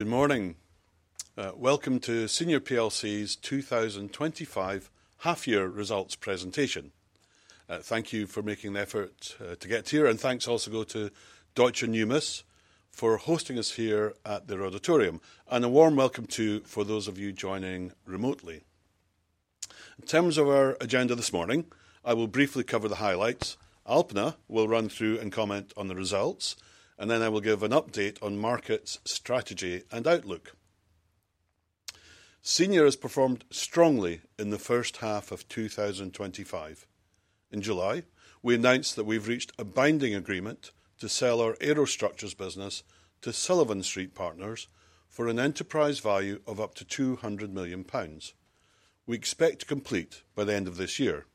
Good morning. Welcome to Senior plc's 2025 half-year results presentation. Thank you for making the effort to get here, and thanks also go to Deutsche Numis for hosting us here at their auditorium, and a warm welcome to those of you joining remotely. In terms of our agenda this morning, I will briefly cover the highlights. Alpna will run through and comment on the results, and then I will give an update on market strategy and outlook. Senior has performed strongly in the first half of 2025. In July, we announced that we've reached a binding agreement to sell our Aerostructures business to Sullivan Street Partners for an enterprise value of up to 200 million pounds. We expect to complete by the end of this year.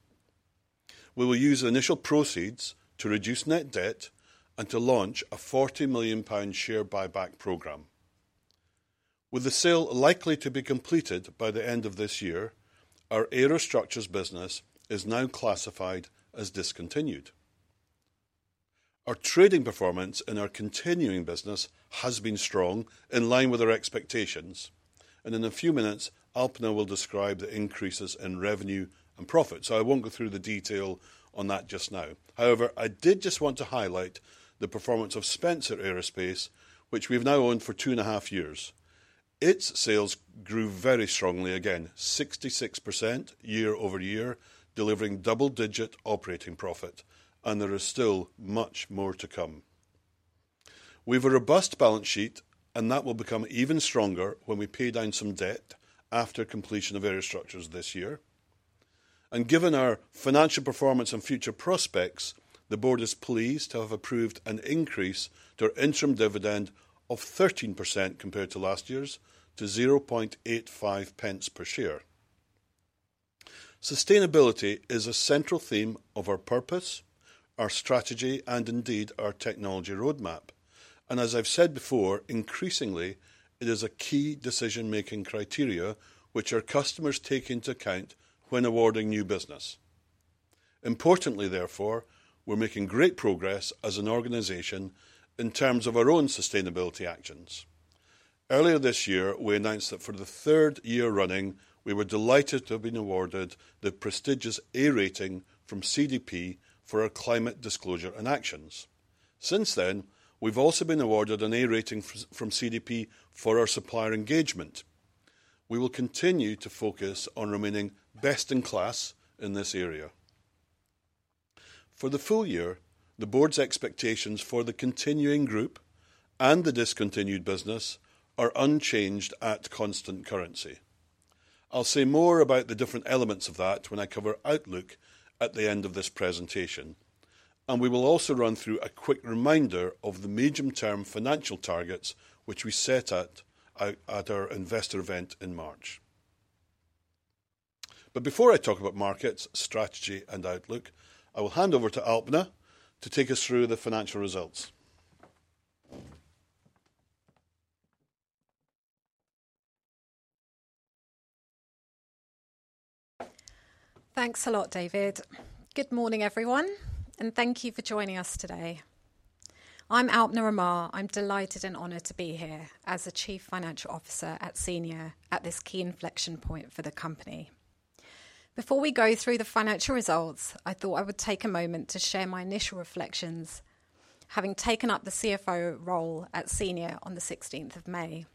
We will use initial proceeds to reduce net debt and to launch a 40 million pound share buyback program. With the sale likely to be completed by the end of this year, our Aerostructures business is now classified as discontinued. Our trading performance in our continuing business has been strong, in line with our expectations, and in a few minutes, Alpna will describe the increases in revenue and profit, so I won't go through the detail on that just now. However, I did just want to highlight the performance of Spencer Aerospace, which we've now owned for two and a half years. Its sales grew very strongly again, 66% year-over-year, delivering double-digit operating profit, and there is still much more to come. We have a robust balance sheet, and that will become even stronger when we pay down some debt after completion of Aerostructures this year. Given our financial performance and future prospects, the Board is pleased to have approved an increase to our interim dividend of 13% compared to last year's to 0.85 per share. Sustainability is a central theme of our purpose, our strategy, and indeed our technology roadmap. As I've said before, increasingly, it is a key decision-making criteria which our customers take into account when awarding new business. Importantly, therefore, we're making great progress as an organization in terms of our own sustainability actions. Earlier this year, we announced that for the third year running, we were delighted to have been awarded the prestigious A rating from CDP for our Climate disclosure and actions. Since then, we've also been awarded an A rating from CDP for our Supplier Engagement. We will continue to focus on remaining best in class in this area. For the full year, the Board's expectations for the continuing group and the discontinued business are unchanged at constant currency. I'll say more about the different elements of that when I cover outlook at the end of this presentation. We will also run through a quick reminder of the medium-term financial targets which we set at our Investor Event in March. Before I talk about markets, strategy, and outlook, I will hand over to Alpna to take us through the financial results. Thanks a lot, David. Good morning, everyone, and thank you for joining us today. I'm Alpna Amar. I'm delighted and honored to be here as Chief Financial Officer at Senior at this key inflection point for the company. Before we go through the financial results, I thought I would take a moment to share my initial reflections, having taken up the CFO role at Senior on the 16th of May.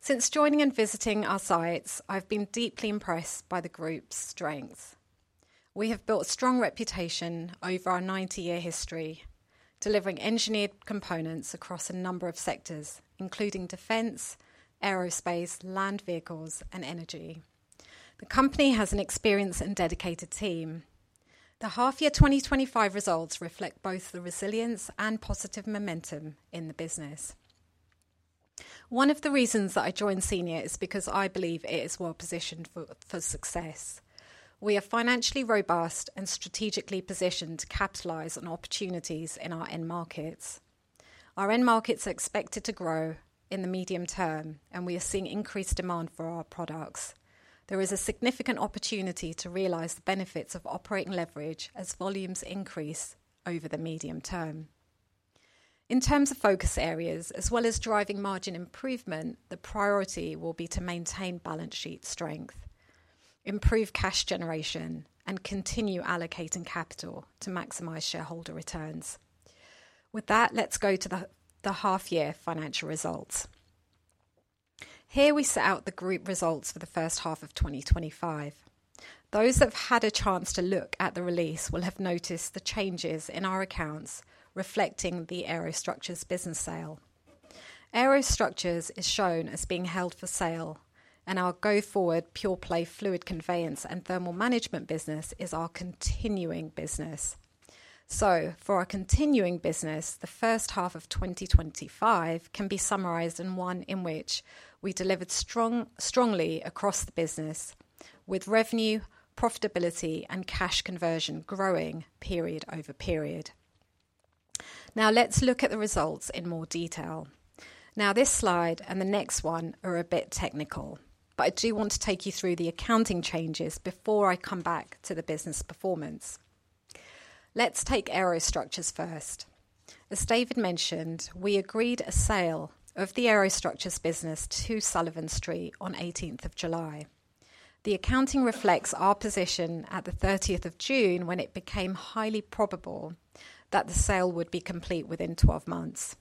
Since joining and visiting our sites, I've been deeply impressed by the group's strengths. We have built a strong reputation over our 90-year history, delivering engineered components across a number of sectors, including defense, aerospace, land vehicles, and energy. The company has an experienced and dedicated team. The half-year 2025 results reflect both the resilience and positive momentum in the business. One of the reasons that I joined Senior is because I believe it is well-positioned for success. We are financially robust and strategically positioned to capitalize on opportunities in our end markets. Our end markets are expected to grow in the medium-term, and we are seeing increased demand for our products. There is a significant opportunity to realize the benefits of operating leverage as volumes increase over the medium-term. In terms of focus areas, as well as driving margin improvement, the priority will be to maintain balance sheet strength, improve cash generation, and continue allocating capital to maximize shareholder returns. With that, let's go to the half-year financial results. Here we set out the group results for the first half of 2025. Those that have had a chance to look at the release will have noticed the changes in our accounts reflecting the Aerostructures business sale. Aerostructures is shown as being held for sale, and our go-forward pure play fluid conveyance and thermal management business is our continuing business. For our continuing business, the first half of 2025 can be summarized in one in which we delivered strongly across the business, with revenue, profitability, and cash conversion growing period over period. Now let's look at the results in more detail. This slide and the next one are a bit technical, but I do want to take you through the accounting changes before I come back to the business performance. Let's take Aerostructures first. As David mentioned, we agreed a sale of the Aerostructures business to Sullivan Street on 18th of July. The accounting reflects our position at the 30th of June when it became highly probable that the sale would be complete within 12 months.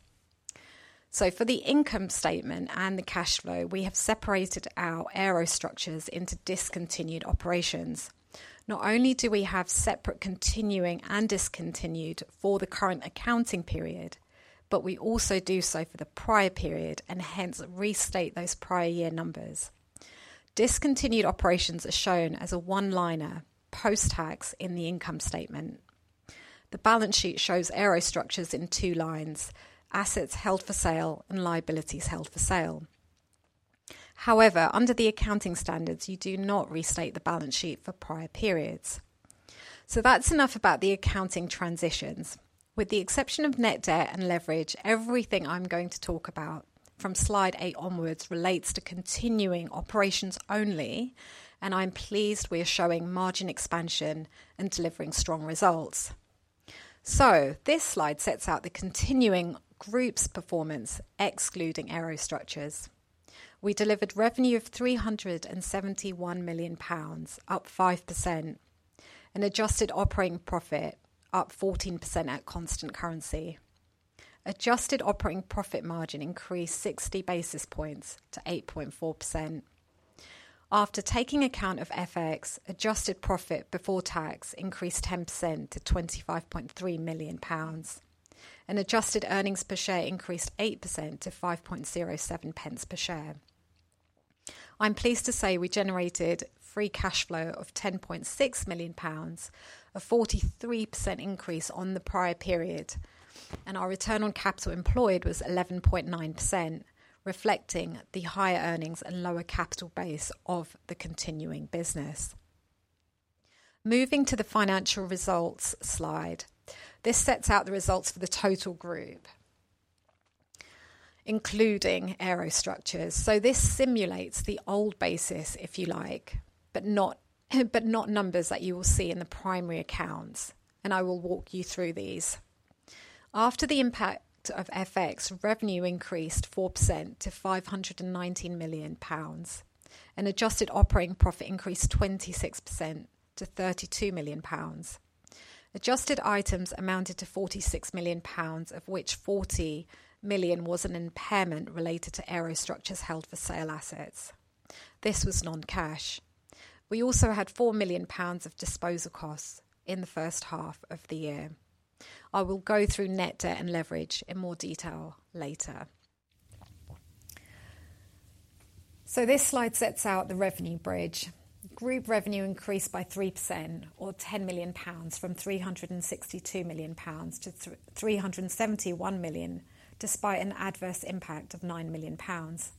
For the income statement and the cash flow, we have separated our Aerostructures into discontinued operations. Not only do we have separate continuing and discontinued for the current accounting period, but we also do so for the prior period and hence restate those prior year numbers. Discontinued operations are shown as a one-liner post-tax in the income statement. The balance sheet shows Aerostructures in two lines: assets held for sale and liabilities held for sale. However, under the accounting standards, you do not restate the balance sheet for prior periods. That's enough about the accounting transitions. With the exception of net debt and leverage, everything I'm going to talk about from slide eight onwards relates to continuing operations only, and I'm pleased we are showing margin expansion and delivering strong results. This slide sets out the continuing group's performance, excluding Aerostructures. We delivered revenue of 371 million pounds, up 5%, and adjusted operating profit up 14% at constant currency. Adjusted operating profit margin increased 60 basis points to 8.4%. After taking account of FX, adjusted profit before tax increased 10% to 25.3 million pounds, and adjusted earnings per share increased 8% to 0.0507 per share. I'm pleased to say we generated free cash flow of 10.6 million pounds, a 43% increase on the prior period, and our return on capital employed was 11.9%, reflecting the higher earnings and lower capital base of the continuing business. Moving to the financial results slide, this sets out the results for the total group, including Aerostructures. This simulates the old basis, if you like, but not numbers that you will see in the primary accounts, and I will walk you through these. After the impact of FX, revenue increased 4% to 519 million pounds, and adjusted operating profit increased 26% to 32 million pounds. Adjusted items amounted to 46 million pounds, of which 40 million was an impairment related to Aerostructures held for sale assets. This was non-cash. We also had 4 million pounds of disposal costs in the first half of the year. I will go through net debt and leverage in more detail later. This slide sets out the revenue bridge. Group revenue increased by 3%, or 10 million pounds, from 362 million pounds to 371 million, despite an adverse impact of 9 million pounds.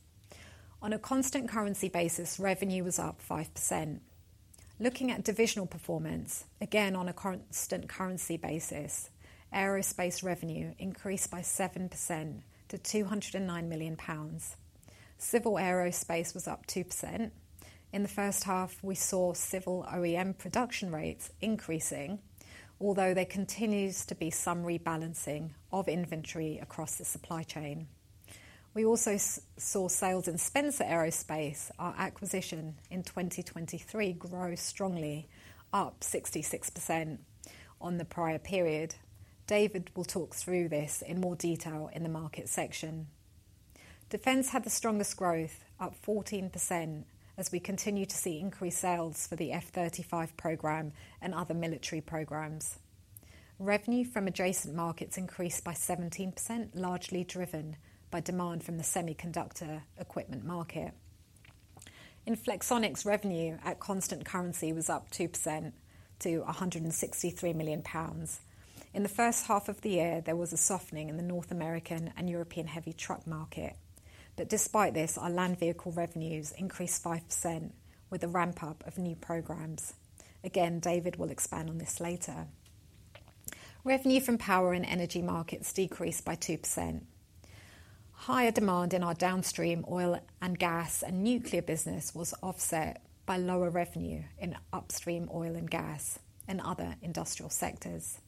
On a constant currency basis, revenue was up 5%. Looking at divisional performance, again on a constant currency basis, Aerospace revenue increased by 7% to 209 million pounds. Civil Aerospace was up 2%. In the first half, we saw civil OEM production rates increasing, although there continues to be some rebalancing of inventory across the supply chain. We also saw sales in Spencer Aerospace, our acquisition in 2023, grow strongly, up 66% on the prior period. David will talk through this in more detail in the market section. Defence had the strongest growth, up 14%, as we continue to see increased sales for the F-35 program and other military programs. Revenue from adjacent markets increased by 17%, largely driven by demand from the semiconductor equipment market. In Flexonics, revenue at constant currency was up 2% to 163 million pounds. In the first half of the year, there was a softening in the North American and European heavy truck market. Despite this, our land vehicle revenues increased 5% with a ramp-up of new programs. Again, David will expand on this later. Revenue from power and energy markets decreased by 2%. Higher demand in our downstream oil and gas and nuclear business was offset by lower revenue in upstream oil and gas and other industrial sectors.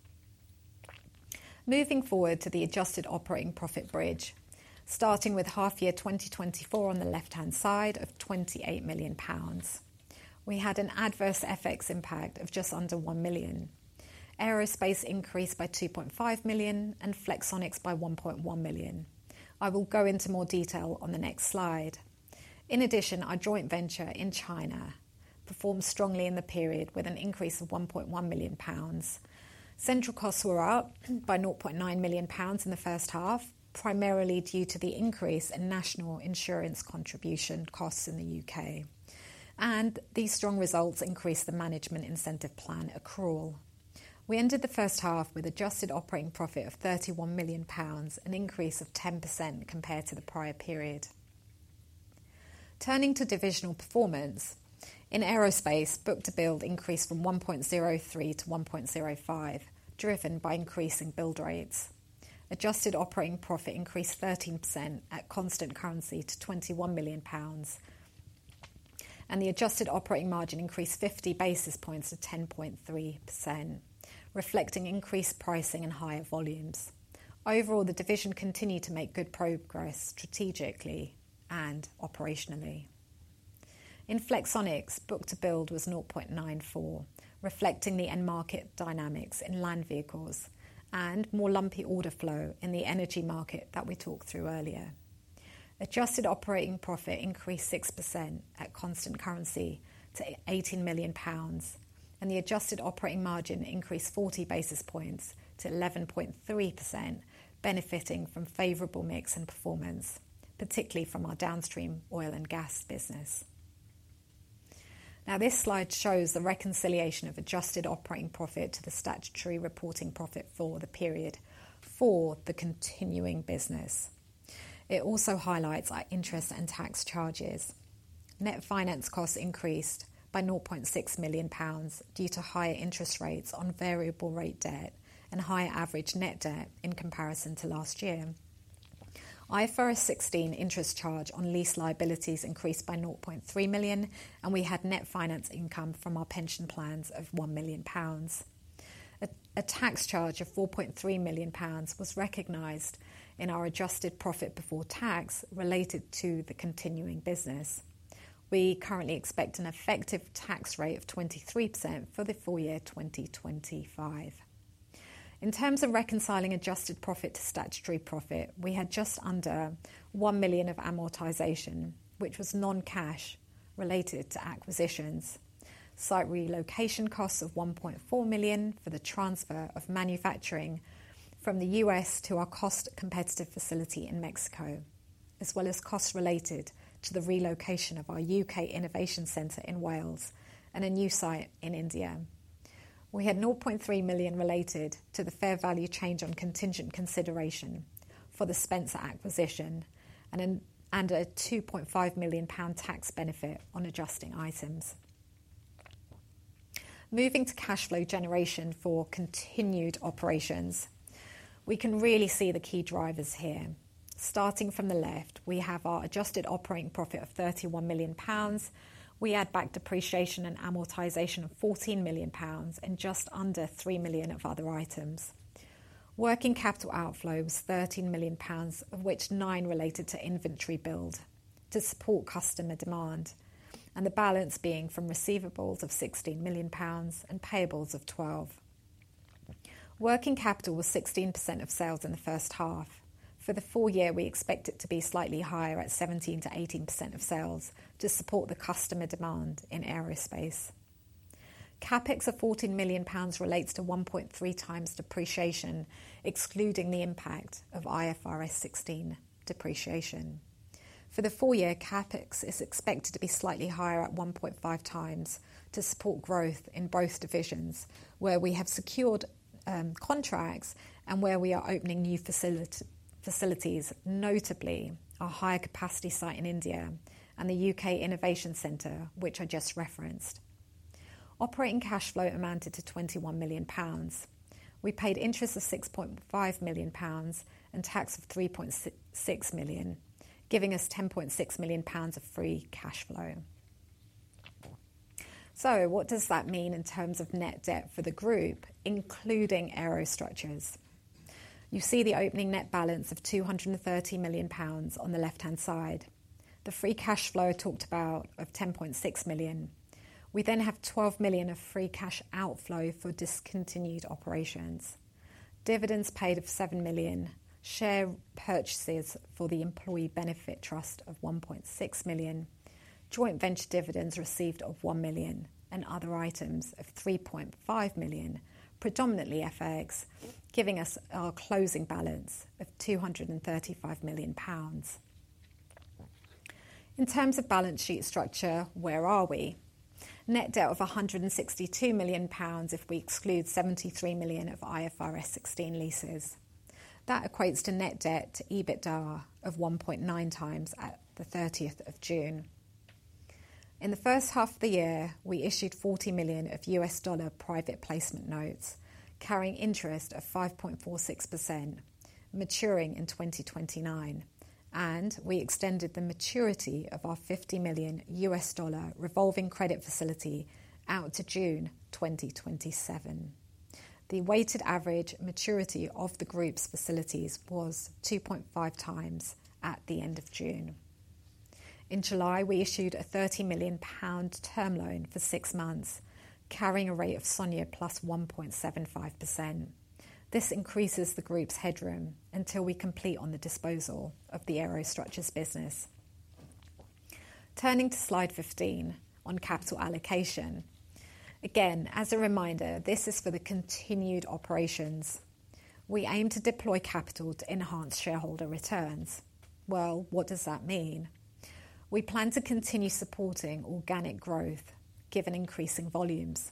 Moving forward to the adjusted operating profit bridge, starting with half-year 2024 on the left-hand side of 28 million pounds. We had an adverse FX impact of just under 1 million. Aerospace increased by 2.5 million and Flexonics by 1.1 million. I will go into more detail on the next slide. In addition, our joint venture in China performed strongly in the period with an increase of 1.1 million pounds. Central costs were up by 0.9 million pounds in the first half, primarily due to the increase in national insurance contribution costs in the U.K. These strong results increased the management incentive plan accrual. We ended the first half with adjusted operating profit of 31 million pounds, an increase of 10% compared to the prior period. Turning to divisional performance, in Aerospace, book-to-build increased from 1.03 to 1.05, driven by increasing build rates. Adjusted operating profit increased 13% at constant currency to 21 million pounds, and the adjusted operating margin increased 50 basis points to 10.3%, reflecting increased pricing and higher volumes. Overall, the division continued to make good progress strategically and operationally. In Flexonics' book-to-build was 0.94, reflecting the end market dynamics in land vehicles and more lumpy order flow in the energy market that we talked through earlier. Adjusted operating profit increased 6% at constant currency to 18 million pounds, and the adjusted operating margin increased 40 basis points to 11.3%, benefiting from favorable mix and performance, particularly from our downstream oil and gas business. Now, this slide shows the reconciliation of adjusted operating profit to the statutory reporting profit for the period for the continuing business. It also highlights our interest and tax charges. Net finance costs increased by 0.6 million pounds due to higher interest rates on variable-rate debt and higher average net debt in comparison to last year. IFRS 16 interest charge on lease liabilities increased by 0.3 million, and we had net finance income from our pension plans of 1 million pounds. A tax charge of 4.3 million pounds was recognized in our adjusted profit before tax related to the continuing business. We currently expect an effective tax rate of 23% for the full year 2025. In terms of reconciling adjusted profit to statutory profit, we had just under 1 million of amortization, which was non-cash related to acquisitions. Site relocation costs of 1.4 million for the transfer of manufacturing from the U.S. to our cost-competitive facility in Mexico, as well as costs related to the relocation of our U.K. innovation center in Wales and a new site in India. We had 0.3 million related to the fair value change on contingent consideration for the Spencer acquisition and a 2.5 million pound tax benefit on adjusting items. Moving to cash flow generation for continued operations, we can really see the key drivers here. Starting from the left, we have our adjusted operating profit of 31 million pounds. We add back depreciation and amortization of 14 million pounds and just under 3 million of other items. Working capital outflow was 13 million pounds, of which 9 million related to inventory build to support customer demand, and the balance being from receivables of GBP 16 million and payables of 12 million. Working capital was 16% of sales in the first half. For the full year, we expect it to be slightly higher at 17%-18% of sales to support the customer demand in Aerospace. CapEx of 14 million pounds relates to 1.3x depreciation, excluding the impact of IFRS 16 depreciation. For the full year, CapEx is expected to be slightly higher at 1.5x to support growth in both divisions, where we have secured contracts and where we are opening new facilities, notably our higher capacity site in India and the U.K. innovation centre, which I just referenced. Operating cash flow amounted to 21 million pounds. We paid interest of 6.5 million pounds and tax of 3.6 million, giving us 10.6 million pounds of free cash flow. What does that mean in terms of net debt for the group, including Aerostructures? You see the opening net balance of 230 million pounds on the left-hand side, the free cash flow talked about of 10.6 million. We then have 12 million of free cash outflow for discontinued operations, dividends paid of 7 million, share purchases for the employee benefit trust of 1.6 million, joint venture dividends received of 1 million, and other items of 3.5 million, predominantly FX, giving us our closing balance of 235 million pounds. In terms of balance sheet structure, where are we? Net debt of 162 million pounds if we exclude 73 million of IFRS 16 leases. That equates to net debt to EBITDA of 1.9x at the 30th of June. In the first half of the year, we issued $40 million of U.S. dollar private placement notes, carrying interest of 5.46%, maturing in 2029, and we extended the maturity of our $50 million U.S. dollar revolving credit facility out to June 2027. The weighted average maturity of the group's facilities was 2.5x at the end of June. In July, we issued a 30 million pound term loan for six months, carrying a rate of SONIA plus 1.75%. This increases the group's headroom until we complete on the disposal of the Aerostructures business. Turning to slide 15 on capital allocation. Again, as a reminder, this is for the continued operations. We aim to deploy capital to enhance shareholder returns. What does that mean? We plan to continue supporting organic growth given increasing volumes.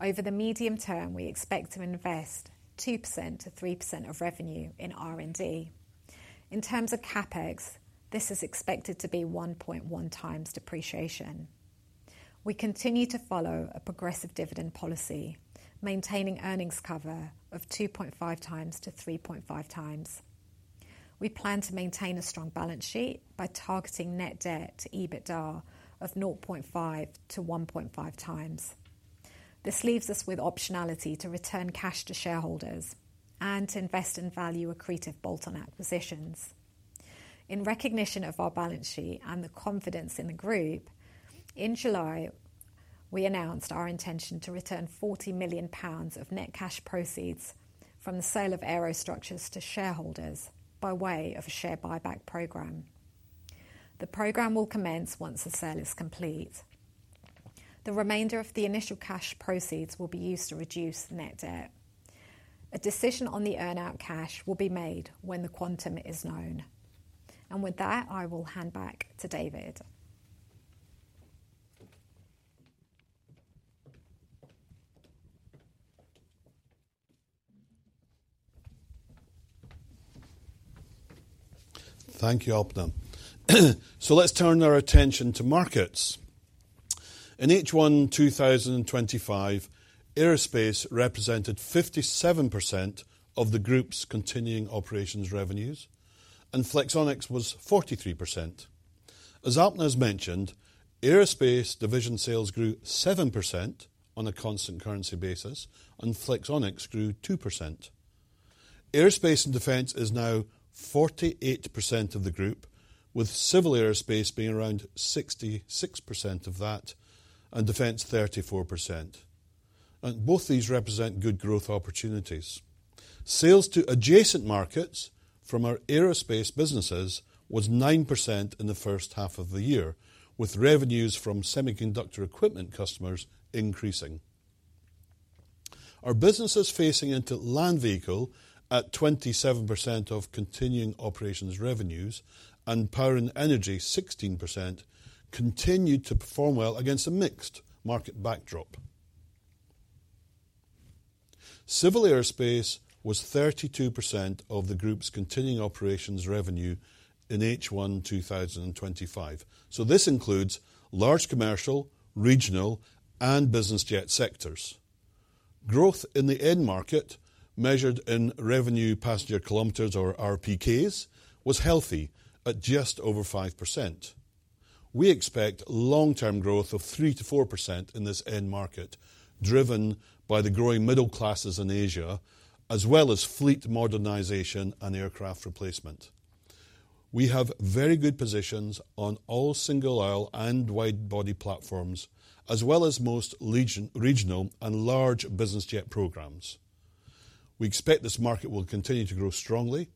Over the medium-term, we expect to invest 2%-3% of revenue in R&D. In terms of CapEx, this is expected to be 1.1x depreciation. We continue to follow a progressive dividend policy, maintaining earnings cover of 2.5x-3.5x. We plan to maintain a strong balance sheet by targeting net debt to EBITDA of 0.5x-1.5x. This leaves us with optionality to return cash to shareholders and to invest in value accretive bolt-on acquisitions. In recognition of our balance sheet and the confidence in the group, in July, we announced our intention to return 40 million pounds of net cash proceeds from the sale of Aerostructures to shareholders by way of a share buyback program. The program will commence once the sale is complete. The remainder of the initial cash proceeds will be used to reduce net debt. A decision on the earnout cash will be made when the quantum is known. With that, I will hand back to David. Thank you, Alpna. Let's turn our attention to markets. In H1 2025, Aerospace represented 57% of the group's continuing operations revenues, and Flexonics was 43%. As Alpna has mentioned, Aerospace division sales grew 7% on a constant currency basis, and Flexonics grew 2%. Aerospace and defense is now 48% of the group, with Civil Aerospace being around 66% of that, and defense 34%. Both these represent good growth opportunities. Sales to adjacent markets from our Aerospace businesses was 9% in the first half of the year, with revenues from semiconductor equipment customers increasing. Our businesses facing into Land Vehicle at 27% of continuing operations revenues and power and energy 16% continued to perform well against a mixed market backdrop. Civil Aerospace was 32% of the group's continuing operations revenue in H1 2025. This includes large commercial, regional, and business jet sectors. Growth in the end market, measured in revenue passenger kilometers or RPKs, was healthy at just over 5%. We expect long-term growth of 3%-4% in this end market, driven by the growing middle classes in Asia, as well as fleet modernization and aircraft replacement. We have very good positions on all single aisle and widebody platforms, as well as most regional and large business jet programs. We expect this market will continue to grow strongly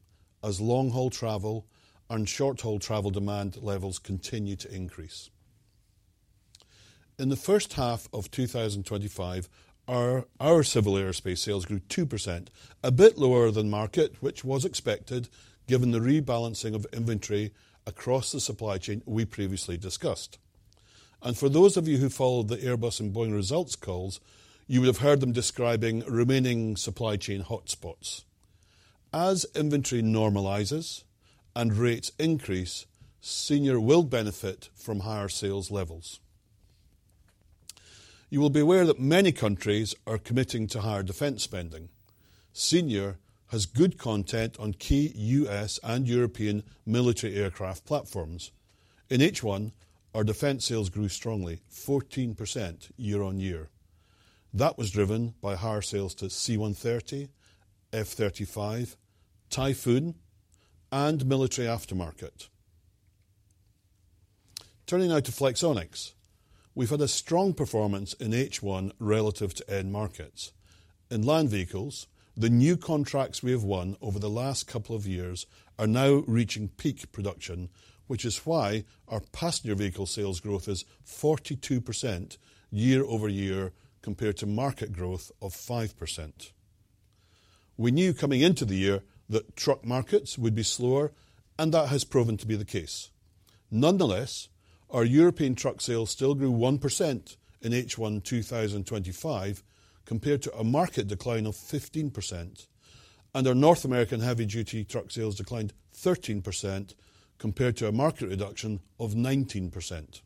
as long-haul travel and short-haul travel demand levels continue to increase. In the first half of 2025, our Civil Aerospace sales grew 2%, a bit lower than market, which was expected given the rebalancing of inventory across the supply chain we previously discussed. For those of you who followed the Airbus and Boeing results calls, you would have heard them describing remaining supply chain hotspots. As inventory normalizes and rates increase, Senior will benefit from higher sales levels. You will be aware that many countries are committing to higher defense spending. Senior has good content on key U.S. and European military aircraft platforms. In H1, our defense sales grew strongly 14% year on year. That was driven by higher sales to C-130, F-35, Typhoon, and military aftermarket. Turning now to Flexonics, we've had a strong performance in H1 relative to end markets. In Land Vehicles, the new contracts we have won over the last couple of years are now reaching peak production, which is why our passenger vehicle sales growth is 42% year-over-year compared to market growth of 5%. We knew coming into the year that truck markets would be slower, and that has proven to be the case. Nonetheless, our European truck sales still grew 1% in H1 2025 compared to a market decline of 15%, and our North American heavy-duty truck sales declined 13% compared to a market reduction of 19%.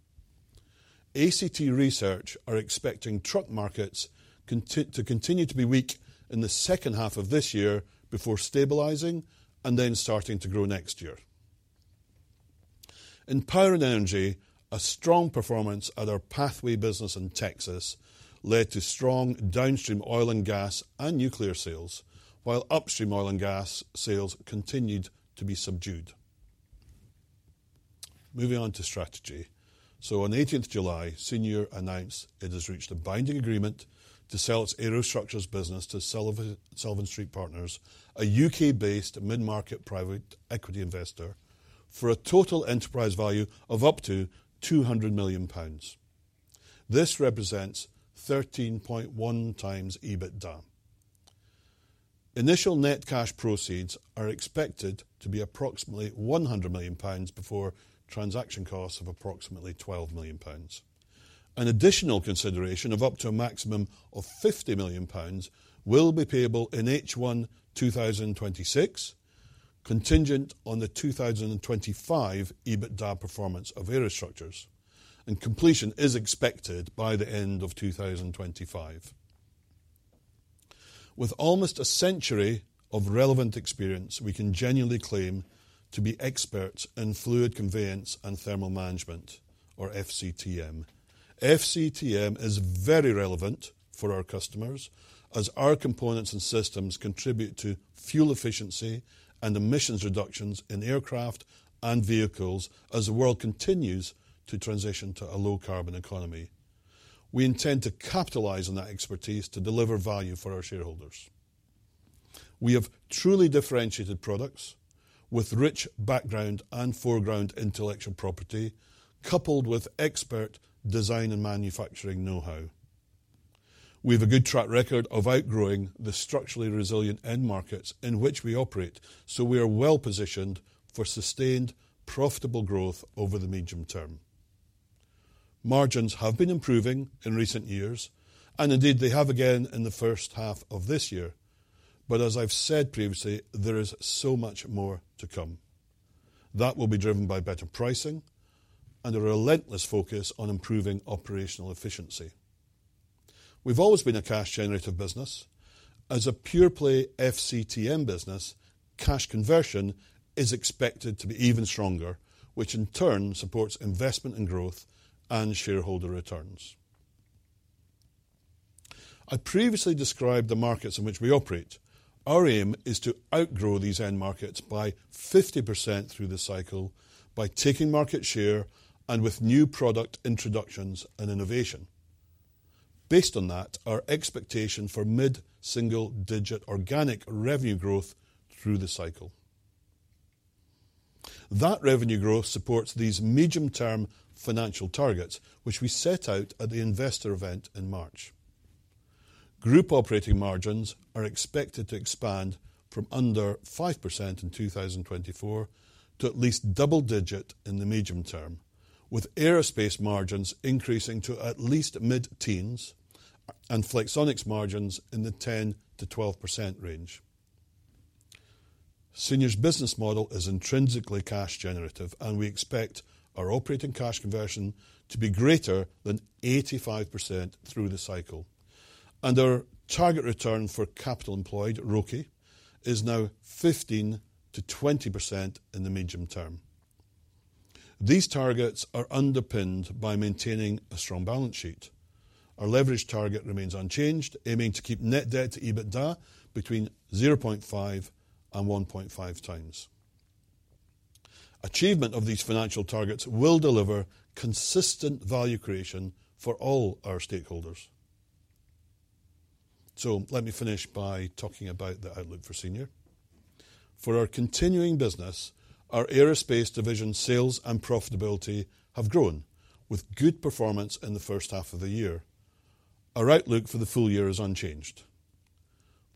ACT Research are expecting truck markets to continue to be weak in the second half of this year before stabilizing and then starting to grow next year. In Power and Energy, a strong performance at our Pathway business in Texas led to strong downstream oil and gas and nuclear sales, while upstream oil and gas sales continued to be subdued. Moving on to strategy. On July 18, Senior announced it has reached a binding agreement to sell its Aerostructures business to Sullivan Street Partners, a U.K.-based mid-market private equity investor, for a total enterprise value of up to 200 million pounds. This represents 13.1x EBITDA. Initial net cash proceeds are expected to be approximately 100 million pounds before transaction costs of approximately 12 million pounds. An additional consideration of up to a maximum of 50 million pounds will be payable in H1 2026, contingent on the 2025 EBITDA performance of Aerostructures, and completion is expected by the end of 2025. With almost a century of relevant experience, we can genuinely claim to be experts in fluid conveyance and thermal management, or FCTM. FCTM is very relevant for our customers as our components and systems contribute to fuel efficiency and emissions reductions in aircraft and vehicles as the world continues to transition to a low-carbon economy. We intend to capitalize on that expertise to deliver value for our shareholders. We have truly differentiated products with rich background and foreground intellectual property, coupled with expert design and manufacturing know-how. We have a good track record of outgrowing the structurally resilient end markets in which we operate, so we are well-positioned for sustained, profitable growth over the medium-term. Margins have been improving in recent years, and indeed they have again in the first half of this year, but as I've said previously, there is so much more to come. That will be driven by better pricing and a relentless focus on improving operational efficiency. We've always been a cash-generative business. As a pure-play FCTM business, cash conversion is expected to be even stronger, which in turn supports investment and growth and shareholder returns. I previously described the markets in which we operate. Our aim is to outgrow these end markets by 50% through the cycle by taking market share and with new product introductions and innovation. Based on that, our expectation for mid-single-digit organic revenue growth through the cycle. That revenue growth supports these medium-term financial targets, which we set out at the Investor Event in March. Group operating margins are expected to expand from under 5% in 2024 to at least double-digit in the medium-term, with Aerospace margins increasing to at least mid-teens and Flexonics margins in the 10%-12% range. Senior's business model is intrinsically cash-generative, and we expect our operating cash conversion to be greater than 85% through the cycle, and our target return for capital employed, ROCE, is now 15%-20% in the medium-term. These targets are underpinned by maintaining a strong balance sheet. Our leverage target remains unchanged, aiming to keep net debt to EBITDA between 0.5x and 1.5x. Achievement of these financial targets will deliver consistent value creation for all our stakeholders. Let me finish by talking about the outlook for Senior. For our continuing business, our Aerospace division sales and profitability have grown with good performance in the first half of the year. Our outlook for the full year is unchanged.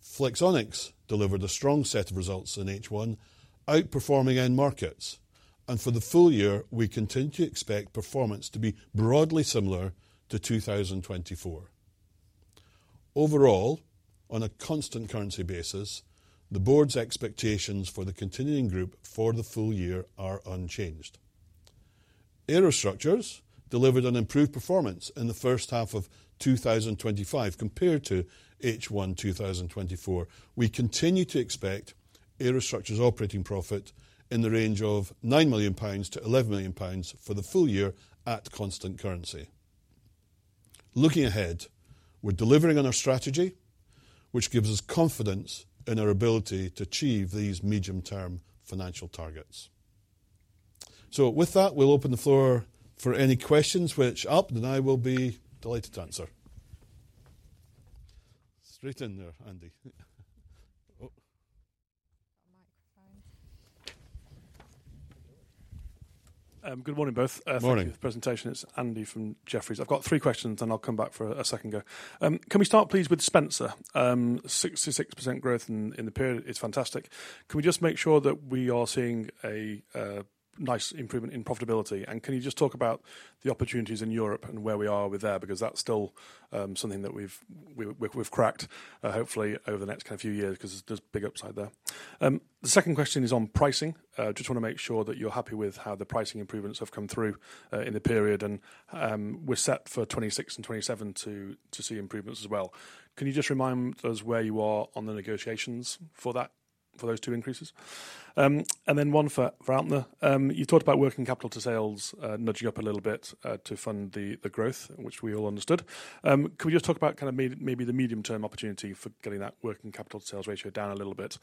Flexonics delivered a strong set of results in H1, outperforming end markets, and for the full year, we continue to expect performance to be broadly similar to 2024. Overall, on a constant currency basis, the Board's expectations for the continuing group for the full year are unchanged. Aerostructures delivered an improved performance in the first half of 2025 compared to H1 2024. We continue to expect Aerostructures operating profit in the range of 9 million-11 million pounds for the full year at constant currency. Looking ahead, we're delivering on our strategy, which gives us confidence in our ability to achieve these medium-term financial targets. With that, we'll open the floor for any questions, which Alpna and I will be delighted to answer. Straight in there, Andy. Our microphone. Good morning, both. Morning. Presentation is Andy from Jefferies. I've got three questions, and I'll come back for a second go. Can we start, please, with Spencer? 66% growth in the period is fantastic. Can we just make sure that we are seeing a nice improvement in profitability? Can you just talk about the opportunities in Europe and where we are with that? That's still something that we've cracked, hopefully, over the next kind of few years, because there's a big upside there. The second question is on pricing. I just want to make sure that you're happy with how the pricing improvements have come through in the period, and we're set for 2026 and 2027 to see improvements as well. Can you just remind us where you are on the negotiations for those two increases? One for Alpna. You talked about working capital to sales nudging up a little bit to fund the growth, which we all understood. Can we just talk about maybe the medium-term opportunity for getting that working capital to sales ratio down a little bit?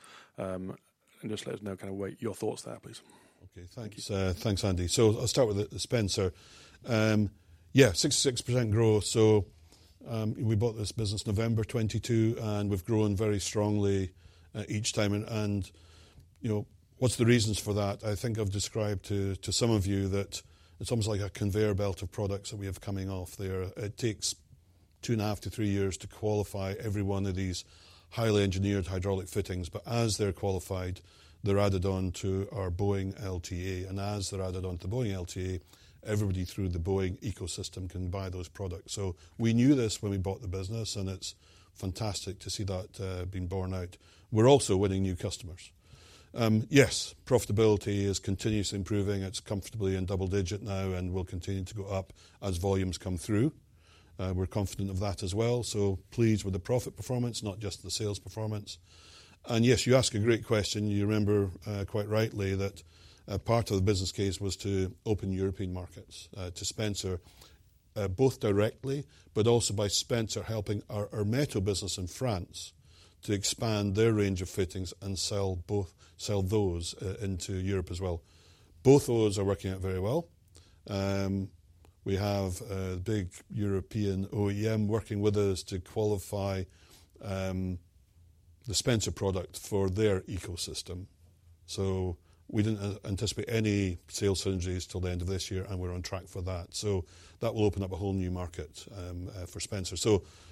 Just let us know what your thoughts are, please. Okay, thanks, Andy. I'll start with Spencer. Yeah, 66% growth. We bought this business November 2022, and we've grown very strongly each time. You know, what's the reasons for that? I think I've described to some of you that it's almost like a conveyor belt of products that we have coming off there. It takes two and a half to three years to qualify every one of these highly engineered hydraulic fittings, but as they're qualified, they're added on to our Boeing LTA. As they're added on to Boeing LTA, everybody through the Boeing ecosystem can buy those products. We knew this when we bought the business, and it's fantastic to see that being borne out. We're also winning new customers. Yes, profitability is continuously improving. It's comfortably in double digits now and will continue to go up as volumes come through. We're confident of that as well. Pleased with the profit performance, not just the sales performance. You ask a great question. You remember quite rightly that part of the business case was to open European markets to Spencer, both directly, but also by Spencer helping our metal business in France to expand their range of fittings and sell those into Europe as well. Both of those are working out very well. We have a big European OEM working with us to qualify the Spencer product for their ecosystem. We didn't anticipate any sales synergies till the end of this year, and we're on track for that. That will open up a whole new market for Spencer.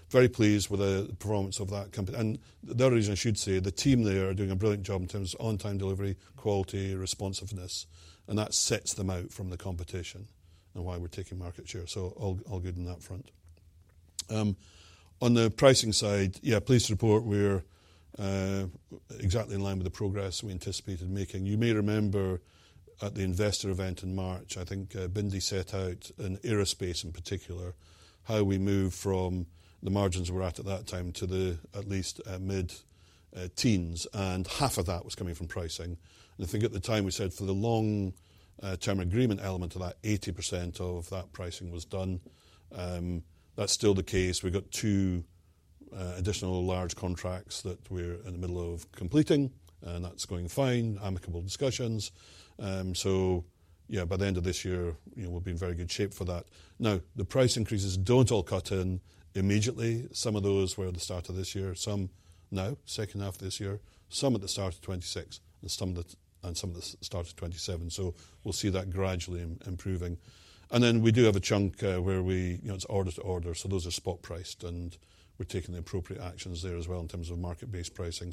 Very pleased with the performance of that company. The other reason I should say, the team there are doing a brilliant job in terms of on-time delivery, quality, responsiveness, and that sets them out from the competition and why we're taking market share. All good on that front. On the pricing side, pleased to report we're exactly in line with the progress we anticipated making. You may remember at the Investor Event in March, I think Bindi set out in Aerospace in particular, how we moved from the margins we were after at that time to the at least mid-teens, and half of that was coming from pricing. I think at the time we said for the long-term agreement element of that, 80% of that pricing was done. That's still the case. We've got two additional large contracts that we're in the middle of completing, and that's going fine, amicable discussions. By the end of this year, you know, we'll be in very good shape for that. Now, the price increases don't all cut in immediately. Some of those were at the start of this year, some now, second half of this year, some at the start of 2026, and some at the start of 2027. We'll see that gradually improving. We do have a chunk where it's order to order. Those are spot priced, and we're taking the appropriate actions there as well in terms of market-based pricing.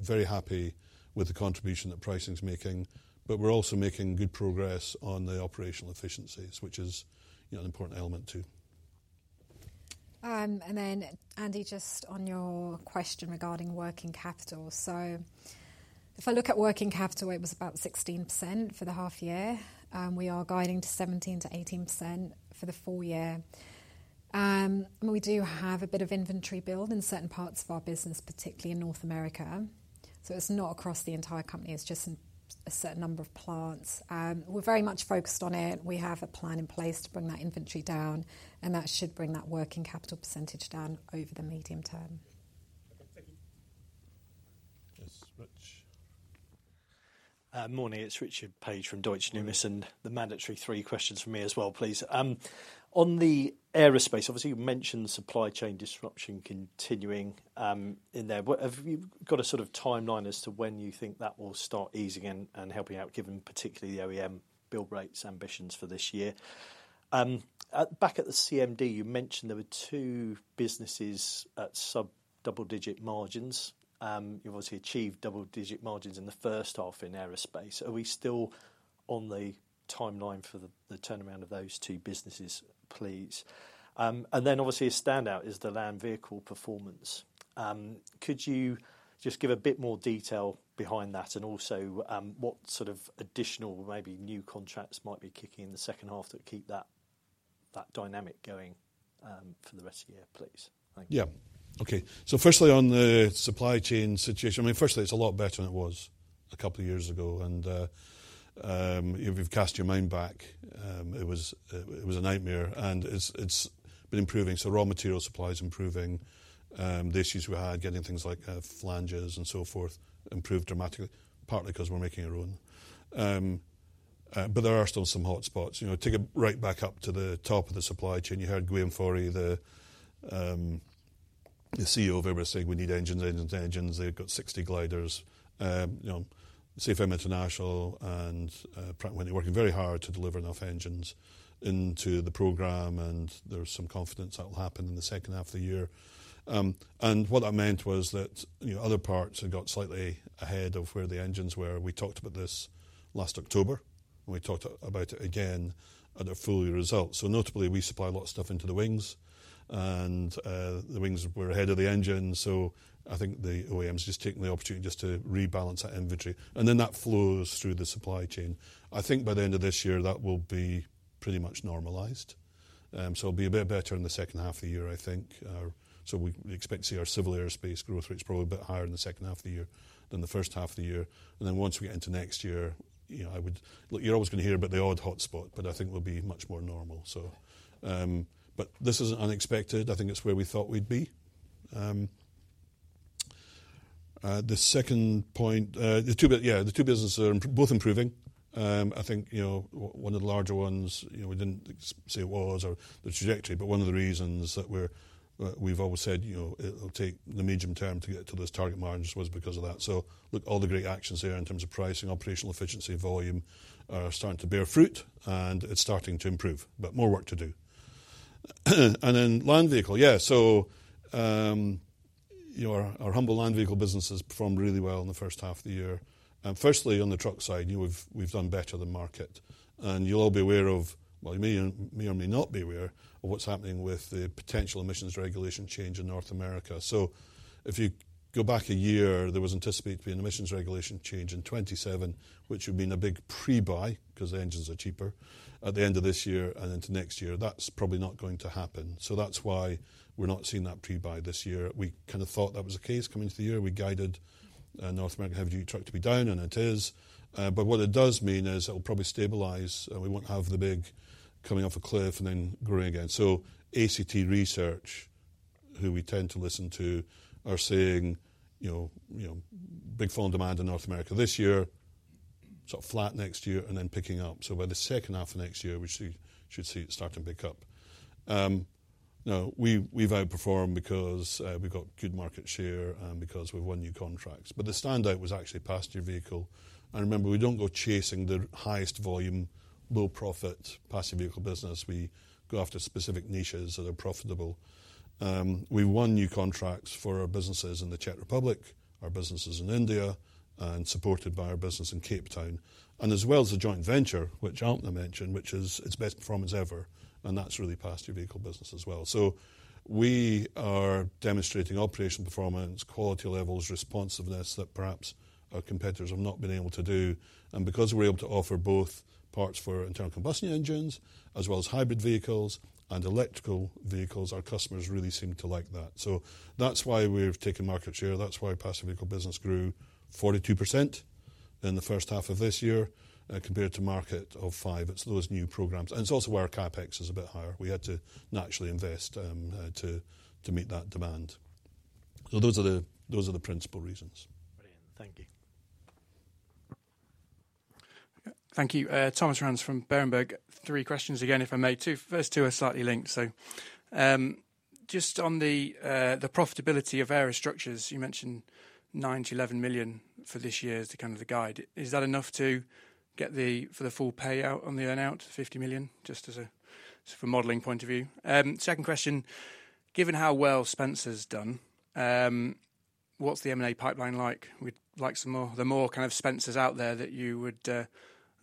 Very happy with the contribution that pricing is making, but we're also making good progress on the operational efficiencies, which is an important element too. Andy, regarding your question about working capital, if I look at working capital, it was about 16% for the half year. We are guiding to 17%-18% for the full year. We do have a bit of inventory build in certain parts of our business, particularly in North America. It is not across the entire company, just a certain number of plants. We are very much focused on it. We have a plan in place to bring that inventory down, and that should bring that working capital percentage down over the medium-term. Yes, Rich? Morning, it's Richard Paige from Deutsche Numis, and the mandatory three questions for me as well, please. On the Aerospace, obviously, you mentioned supply chain disruption continuing in there. Have you got a sort of timeline as to when you think that will start easing in and helping out, given particularly the OEM build rates ambitions for this year? Back at the CMD, you mentioned there were two businesses at sub-double-digit margins. You've obviously achieved double-digit margins in the first half in Aerospace. Are we still on the timeline for the turnaround of those two businesses, please? Obviously a standout is the Land Vehicle performance. Could you just give a bit more detail behind that and also what sort of additional maybe new contracts might be kicking in the second half that keep that dynamic going for the rest of the year, please? Yeah, okay. Firstly, on the supply chain situation, it's a lot better than it was a couple of years ago, and if you cast your mind back, it was a nightmare, and it's been improving. Raw material supply is improving. The issues we had getting things like flanges and so forth improved dramatically, partly because we're making our own. There are still some hotspots. If you take it right back up to the top of the supply chain, you heard [Guillaume Faury, the CEO of Airbus], saying we need engines and engines. They've got 60 gliders, you know, CFM International, and Pratt & Whitney working very hard to deliver enough engines into the program, and there's some confidence that'll happen in the second half of the year. What I meant was that other parts have got slightly ahead of where the engines were. We talked about this last October, and we talked about it again at a full year result. Notably, we supply a lot of stuff into the wings, and the wings were ahead of the engines. I think the OEMs are just taking the opportunity to rebalance that inventory, and then that flows through the supply chain. I think by the end of this year, that will be pretty much normalized. It'll be a bit better in the second half of the year, I think. We expect to see our Civil Aerospace growth rates probably a bit higher in the second half of the year than the first half of the year. Once we get into next year, you're always going to hear about the odd hotspot, but I think it'll be much more normal. This isn't unexpected. I think it's where we thought we'd be. The second point, the two businesses are both improving. One of the larger ones, we didn't say it was or the trajectory, but one of the reasons that we've always said it'll take the medium-term to get to those target margins was because of that. All the great actions there in terms of pricing, operational efficiency, volume are starting to bear fruit, and it's starting to improve, but more work to do. Then Land Vehicle, our humble Land Vehicle business has performed really well in the first half of the year. Firstly, on the truck side, we've done better than market. You'll all be aware of, well, you may or may not be aware of what's happening with the potential emissions regulation change in North America. If you go back a year, there was anticipated to be an emissions regulation change in 2027, which would mean a big pre-buy because the engines are cheaper at the end of this year and into next year. That's probably not going to happen. That's why we're not seeing that pre-buy this year. We kind of thought that was the case coming into the year. We guided North America heavy-duty truck to be down, and it is. What it does mean is it'll probably stabilize. We won't have the big coming off a cliff and then growing again. ACT Research, who we tend to listen to, are saying big fall in demand in North America this year, sort of flat next year, and then picking up. By the second half of next year, we should see it start to pick up. We've outperformed because we've got good market share and because we've won new contracts. The standout was actually passenger vehicle. Remember, we don't go chasing the highest volume, low profit passenger vehicle business. We go after specific niches that are profitable. We won new contracts for our businesses in the Czech Republic, our businesses in India, and supported by our business in Cape Town, as well as the joint venture, which Alpna mentioned, which is its best performance ever. That's really passenger vehicle business as well. We are demonstrating operation performance, quality levels, responsiveness that perhaps our competitors have not been able to do. Because we're able to offer both parts for internal combustion engines as well as hybrid vehicles and electric vehicles, our customers really seem to like that. That's why we've taken market share. That's why passenger vehicle business grew 42% in the first half of this year compared to the market of 5%. It's those new programs. It's also where our CapEx is a bit higher. We had to naturally invest to meet that demand. Those are the principal reasons. Thank you. Thank you. Thomas Rands from Berenberg. Three questions again, if I may. The first two are slightly linked. Just on the profitability of Aerostructures, you mentioned 9 million-11 million for this year as kind of the guide. Is that enough to get the full payout on the earnout, 50 million, just as a sort of a modeling point of view? Second question, given how well Spencer's done, what's the M&A pipeline like? We'd like some more. There are more kind of Spencer's out there that you would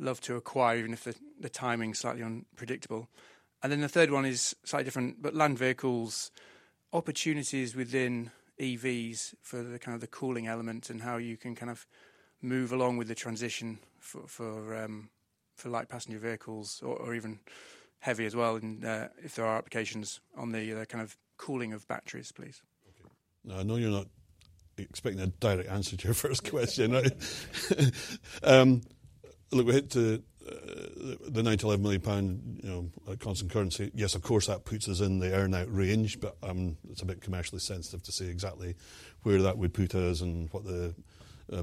love to acquire, even if the timing's slightly unpredictable. The third one is slightly different, but Land Vehicles, opportunities within EVs for the kind of the cooling element and how you can kind of move along with the transition for light passenger vehicles or even heavy as well, and if there are applications on the kind of cooling of batteries, please. Okay. Now, I know you're not expecting a direct answer to your first question. Look, we're hitting the 9 million-11 million pound constant currency. Yes, of course, that puts us in the earnout range, but it's a bit commercially sensitive to say exactly where that would put us and what the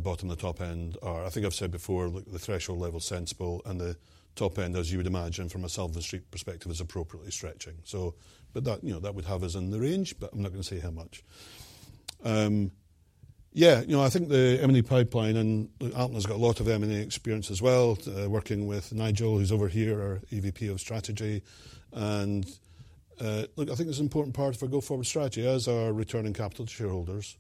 bottom and the top end are. I think I've said before, the threshold level's sensible and the top end, as you would imagine from a Sullivan Street perspective, is appropriately stretching. That would have us in the range, but I'm not going to say how much. I think the M&A pipeline, and Alpna's got a lot of M&A experience as well, working with Nigel, who's over here, our EVP of Strategy. I think it's an important part of our go-forward strategy as is returning capital to shareholders.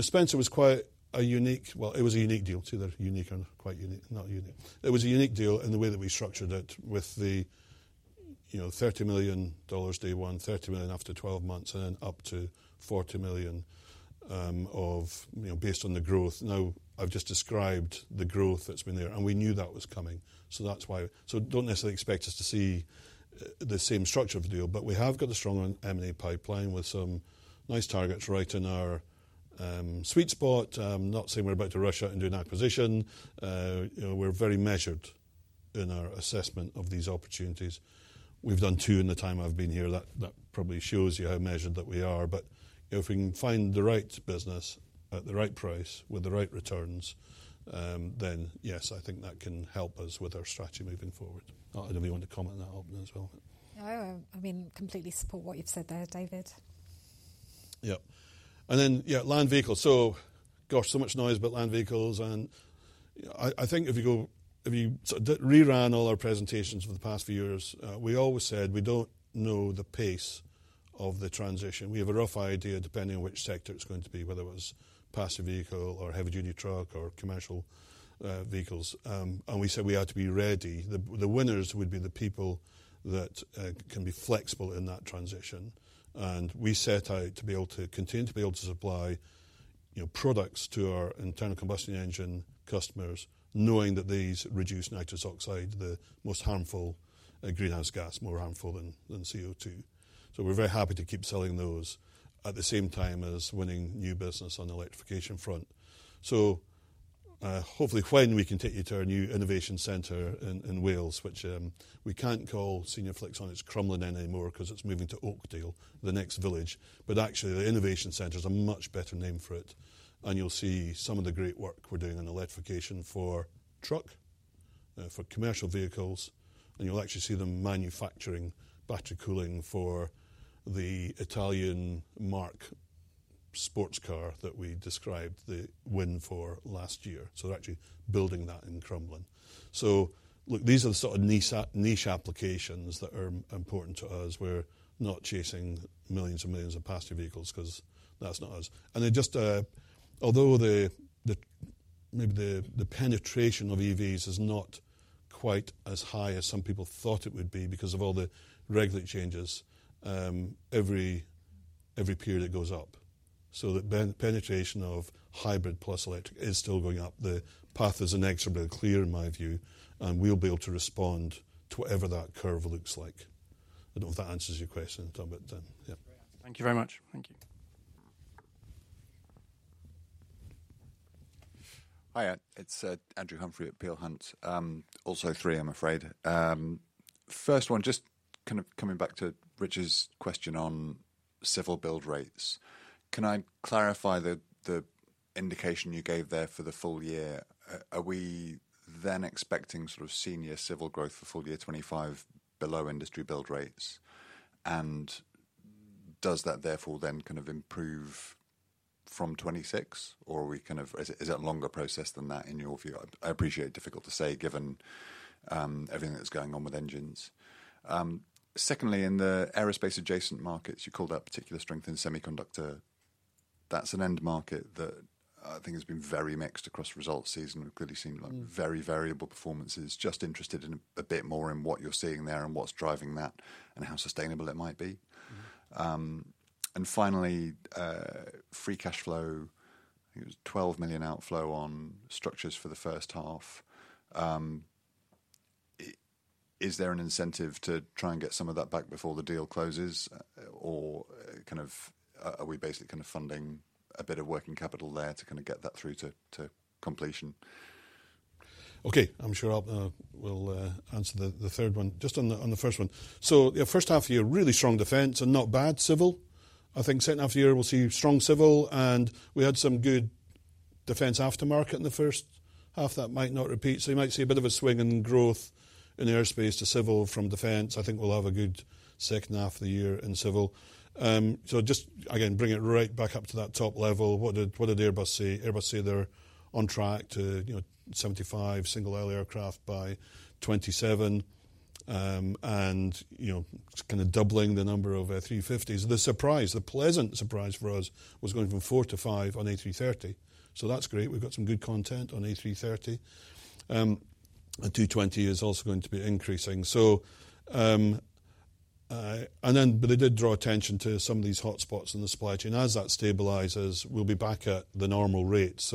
Spencer was quite a unique, well, it was a unique deal. It's either unique or quite unique, not unique. It was a unique deal in the way that we structured it with the $30 million day one, $30 million after 12 months, and then up to $40 million based on the growth. Now, I've just described the growth that's been there, and we knew that was coming. That's why. Don't necessarily expect us to see the same structure of the deal, but we have got a stronger M&A pipeline with some nice targets right in our sweet spot. I'm not saying we're about to rush out and do an acquisition. We're very measured in our assessment of these opportunities. We've done two in the time I've been here. That probably shows you how measured that we are. If we can find the right business at the right price with the right returns, then yes, I think that can help us with our strategy moving forward. I don't know if you want to comment on that, Alpna as well. No, I completely support what you've said there, David. Yeah. Land vehicles. Gosh, so much noise about land vehicles. I think if you sort of rerun all our presentations for the past few years, we always said we don't know the pace of the transition. We have a rough idea depending on which sector it's going to be, whether it was passenger vehicle or heavy-duty truck or commercial vehicles. We said we had to be ready. The winners would be the people that can be flexible in that transition. We set out to be able to continue to be able to supply products to our internal combustion engine customers, knowing that these reduce nitrous oxide, the most harmful greenhouse gas, more harmful than CO2. We're very happy to keep selling those at the same time as winning new business on the electrification front. Hopefully when we can take you to our new innovation centre in Wales, which we can't call Senior Flexonics Crumlin anymore because it's moving to Oakdale, the next village. Actually, the innovation centre is a much better name for it. You'll see some of the great work we're doing in electrification for truck, for commercial vehicles. You'll actually see the manufacturing battery cooling for the Italian-marked sports car that we described the win for last year. We're actually building that in Crumlin. These are the sort of niche applications that are important to us. We're not chasing millions and millions of passenger vehicles because that's not us. Although maybe the penetration of EVs is not quite as high as some people thought it would be because of all the regulatory changes, every period goes up. The penetration of hybrid plus electric is still going up. The path is inexorably clear in my view, and we'll be able to respond to whatever that curve looks like. I don't know if that answers your question at the top, but then, yeah. Thank you very much. Thank you. Hi, it's Andrew Humphrey at Peel Hunt. Also three, I'm afraid. First one, just kind of coming back to Richard's question on civil build rates. Can I clarify the indication you gave there for the full year? Are we then expecting sort of Senior civil growth for full year 2025 below industry build rates? Does that therefore then kind of improve from 2026? Are we kind of, is it a longer process than that in your view? I appreciate it's difficult to say given everything that's going on with engines. Secondly, in the Aerospace adjacent markets, you called out particular strength in semiconductor. That's an end market that I think has been very mixed across results season. We've clearly seen very variable performances. Just interested in a bit more in what you're seeing there and what's driving that and how sustainable it might be. Finally, free cash flow, I think it was a 12 million outflow on structures for the first half. Is there an incentive to try and get some of that back before the deal closes? Are we basically kind of funding a bit of working capital there to kind of get that through to completion? Okay, I'm sure Alpna will answer the third one. Just on the first one. First half of the year, really strong defense and not bad civil. I think second half of the year we'll see strong civil, and we had some good defense aftermarket in the first half that might not repeat. You might see a bit of a swing in growth in Aerospace to civil from defense. I think we'll have a good second half of the year in civil. Just again, bring it right back up to that top level. What did Airbus see? Airbus see they're on track to, you know, 75 single aisle aircraft by 2027, and, you know, kind of doubling the number of A350s. The surprise, the pleasant surprise for us was going from four to five on A330. That's great. We've got some good content on A330. A220 is also going to be increasing. They did draw attention to some of these hotspots in the supply chain. As that stabilizes, we'll be back at the normal rates.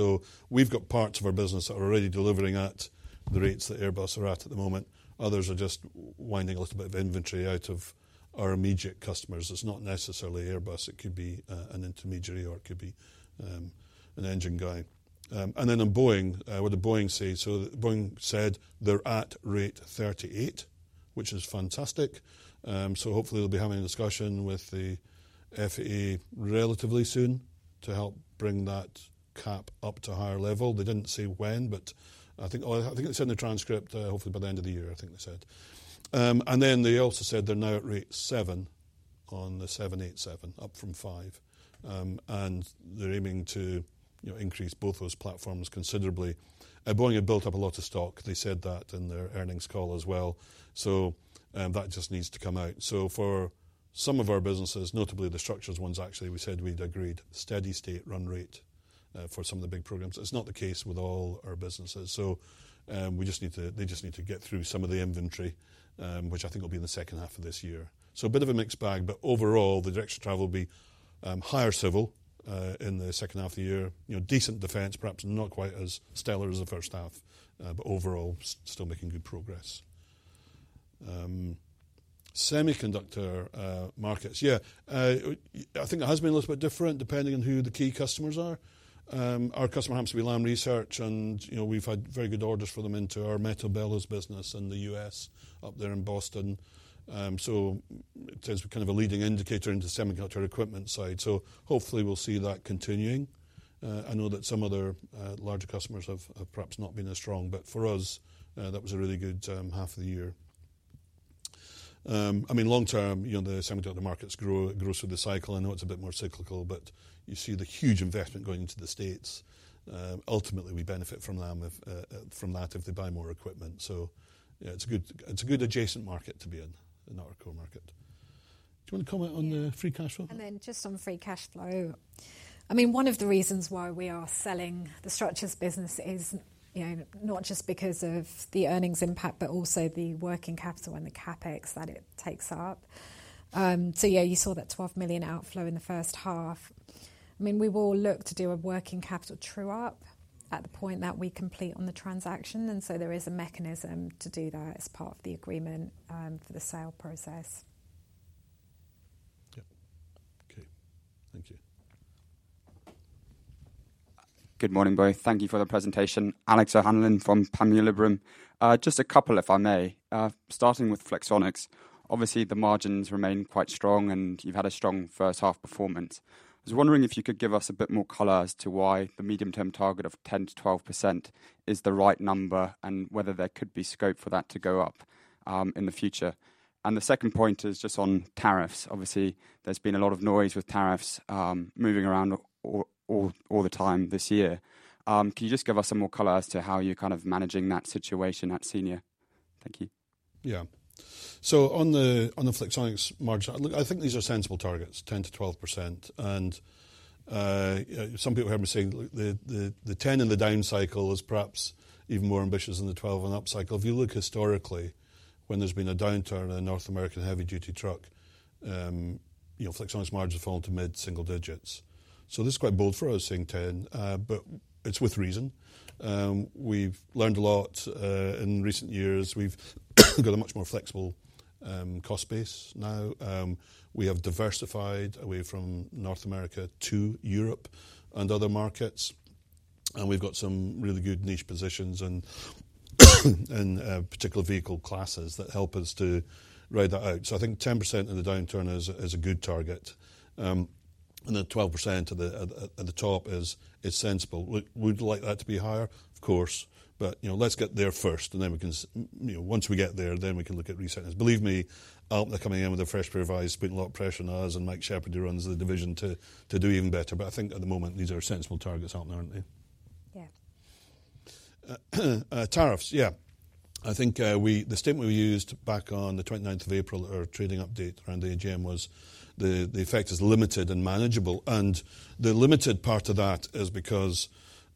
We've got parts of our business that are already delivering at the rates that Airbus are at at the moment. Others are just winding a little bit of inventory out of our immediate customers. It's not necessarily Airbus. It could be an intermediary or it could be an engine guy. On Boeing, what did Boeing say? Boeing said they're at rate 38, which is fantastic. Hopefully they'll be having a discussion with the FAA relatively soon to help bring that cap up to a higher level. They didn't say when, but I think they said in the transcript, hopefully by the end of the year, I think they said. They also said they're now at rate seven on the 787, up from five. They're aiming to increase both those platforms considerably. Boeing had built up a lot of stock. They said that in their earnings call as well. That just needs to come out. For some of our businesses, notably the structures ones, actually, we said we'd agreed steady state run rate for some of the big programs. It's not the case with all our businesses. We just need to, they just need to get through some of the inventory, which I think will be in the second half of this year. A bit of a mixed bag, but overall, the direction of travel will be higher civil in the second half of the year. Decent defense, perhaps not quite as stellar as the first half, but overall still making good progress. Semiconductor markets, yeah. I think it has been a little bit different depending on who the key customers are. Our customer happens to be Lam Research, and you know, we've had very good orders for them into our metal bellows business in the U.S. up there in Boston. It's kind of a leading indicator into the semiconductor equipment side. Hopefully we'll see that continuing. I know that some other larger customers have perhaps not been as strong, but for us, that was a really good half of the year. I mean, long-term, you know, the semiconductor markets grow through the cycle. I know it's a bit more cyclical, but you see the huge investment going into the States. Ultimately, we benefit from that if they buy more equipment. It's a good adjacent market to be in, in our core market. Do you want to comment on the free cash flow? On free cash flow, one of the reasons why we are selling the structures business is not just because of the earnings impact, but also the working capital and the CapEx that it takes up. You saw that 12 million outflow in the first half. We will look to do a working capital true up at the point that we complete on the transaction, and there is a mechanism to do that as part of the agreement for the sale process. Yeah, okay. Thank you. Good morning, both. Thank you for the presentation. Alex O'Hanlon from Panmure Liberum. Just a couple, if I may. Starting with Flexonics, obviously the margins remain quite strong and you've had a strong first half performance. I was wondering if you could give us a bit more color as to why the medium-term target of 10%-12% is the right number and whether there could be scope for that to go up in the future. The second point is just on tariffs. Obviously, there's been a lot of noise with tariffs moving around all the time this year. Can you just give us some more color as to how you're kind of managing that situation at Senior? Thank you. Yeah. On the Flexonics margin, I think these are sensible targets, 10%-12%. Some people hear me saying the 10% in the down cycle is perhaps even more ambitious than the 12% in the up cycle. If you look historically, when there's been a downturn in North American heavy-duty truck, you know, Flexonics margins have fallen to mid-single digits. This is quite bold for us saying 10%, but it's with reason. We've learned a lot in recent years. We've got a much more flexible cost base now. We have diversified away from North America to Europe and other markets. We've got some really good niche positions and particular vehicle classes that help us to ride that out. I think 10% in the downturn is a good target. Then 12% at the top is sensible. We'd like that to be higher, of course, but you know, let's get there first and then we can, you know, once we get there, then we can look at resettings. Believe me, Alpna coming in with a fresh pair of eyes, putting a lot of pressure on us and Mike Sheppard who runs the division to do even better. I think at the moment, these are sensible targets, Alpna, aren't they? Yeah. Tariffs, yeah. I think the statement we used back on the 29th of April, our trading update around the AGM was the effect is limited and manageable. The limited part of that is because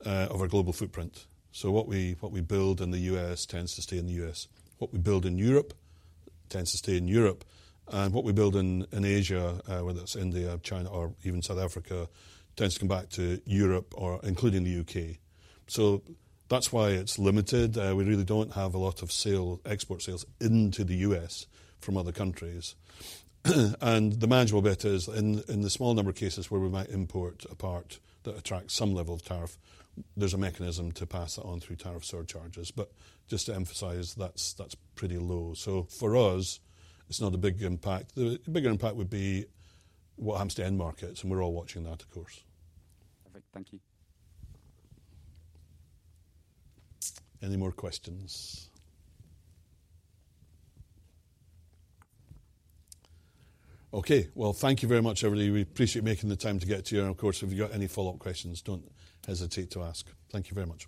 of our global footprint. What we build in the U.S. tends to stay in the U.S. What we build in Europe tends to stay in Europe. What we build in Asia, whether it's India or China or even South Africa, tends to come back to Europe or including the U.K. That's why it's limited. We really don't have a lot of export sales into the U.S. from other countries. The manageable bit is in the small number of cases where we might import a part that attracts some level of tariff, there's a mechanism to pass that on through tariff surcharges. Just to emphasize, that's pretty low. For us, it's not a big impact. The bigger impact would be what happens to end markets, and we're all watching that, of course. Perfect. Thank you. Any more questions? Okay, thank you very much, everybody. We appreciate making the time to get to you. Of course, if you've got any follow-up questions, don't hesitate to ask. Thank you very much.